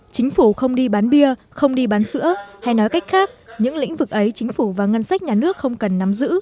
chính phủ không đi bán bia không đi bán sữa hay nói cách khác những lĩnh vực ấy chính phủ và ngân sách nhà nước không cần nắm giữ